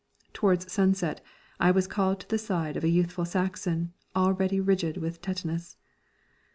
Towards sunset I was called to the side of a youthful Saxon already rigid with tetanus.